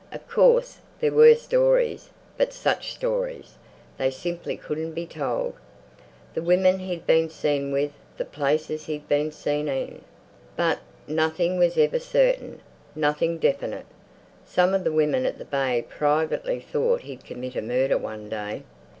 Of course there were stories, but such stories! They simply couldn't be told. The women he'd been seen with, the places he'd been seen in... but nothing was ever certain, nothing definite. Some of the women at the Bay privately thought he'd commit a murder one day.